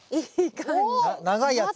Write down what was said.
長いやつ。